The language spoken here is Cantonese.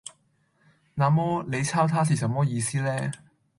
“那麼，你鈔他是什麼意思呢？”